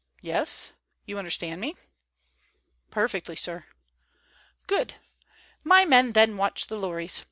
Yes? You understand me?" "Perfectly, sir." "Good. My men then watch the lorries.